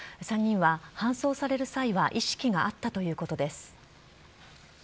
３人は搬送される際は意識があったということです。